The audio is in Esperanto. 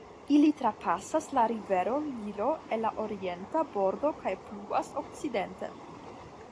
Ili trapasas la riveron Nilo el la orienta bordo kaj pluas okcidenten.